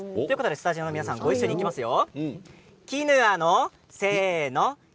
スタジオの皆さんごいっしょにいきますよ。